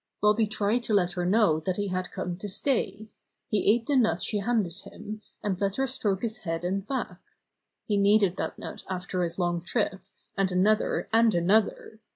Bobby tried to let her know that he had come to stay. He ate the nut she handed him, and let her stroke his head and back. He needed that nut after his long trip, and another and another.